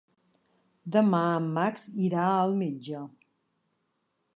Demà en Max irà al metge.